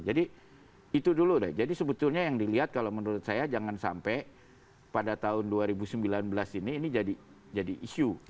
jadi itu dulu deh jadi sebetulnya yang dilihat kalau menurut saya jangan sampai pada tahun dua ribu sembilan belas ini ini jadi isu